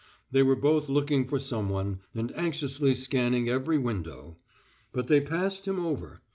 They were both looking for someone, and anxiously scanning every window. But they passed him over.